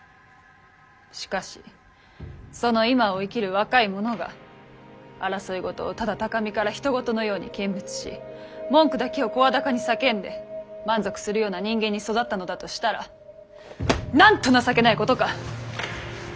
しかしその今を生きる若い者が争い事をただ高みからひと事のように見物し文句だけを声高に叫んで満足するような人間に育ったのだとしたらなんと情けないことか。